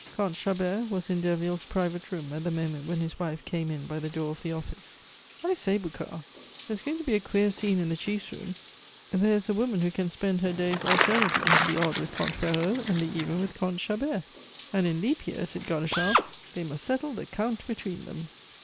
Comte Chabert was in Derville's private room at the moment when his wife came in by the door of the office. "I say, Boucard, there is going to be a queer scene in the chief's room! There is a woman who can spend her days alternately, the odd with Comte Ferraud, and the even with Comte Chabert." "And in leap year," said Godeschal, "they must settle the count between them."